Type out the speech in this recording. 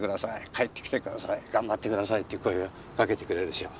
「帰ってきてください」「頑張ってください」っていう声をかけてくれるでしょう。